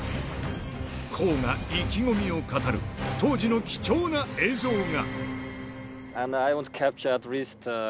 康が意気込みを語る、当時の貴重な映像が。